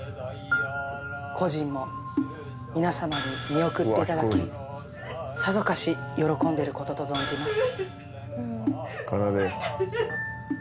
故人も皆様に見送っていただきさぞかし喜んでることと存じます